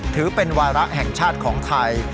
ถือเป็นวาระแห่งชาติของไทย